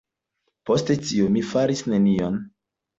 Post tio, mi faris nenion.